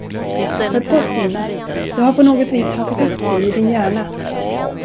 Hör på Stina, det har på något vis hakat upp sig i din hjärna.